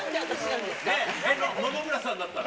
野々村さんだったら？